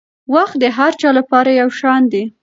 وخت د هر چا لپاره یو شان دی.